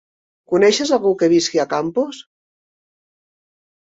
Coneixes algú que visqui a Campos?